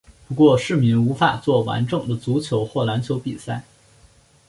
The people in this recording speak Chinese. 不过市民无法作完整的足球或篮球比赛。